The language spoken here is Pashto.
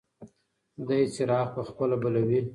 دی څراغ په خپله بلوي.